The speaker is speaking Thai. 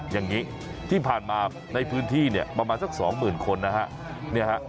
อย่างนี้ที่ผ่านมาในพื้นที่เนี่ยประมาณสัก๒๐๐๐คนนะฮะ